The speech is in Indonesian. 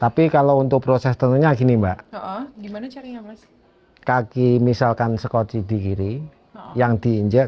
tapi kalau untuk proses tentunya gini mbak gimana carinya mas kaki misalkan skoci di kiri yang diinjek